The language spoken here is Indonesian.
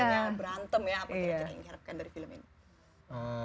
apa yang diharapkan dari film ini